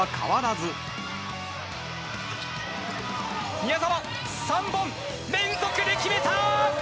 宮澤、３本連続で決めた。